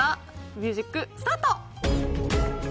ミュージック、スタート。